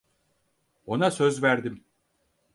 Ona söz verdim.